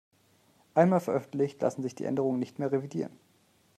Einmal veröffentlicht, lassen sich die Änderungen nicht mehr revidieren.